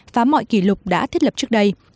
phá mọi kỷ lục đã thiết lập trước đây